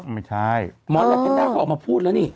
ไม่ใช่หมอแร็บออกมาพูดแล้วนี่